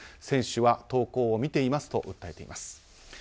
選手は投稿を見ていますと訴えています。